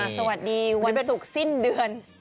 สวัสดีวันศุกร์สิ้นเดือน